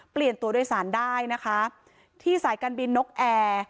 เปลี่ยนตัวโดยสารได้นะคะที่สายการบินนกแอร์